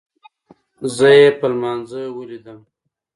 زه يې په لمانځه وليدم.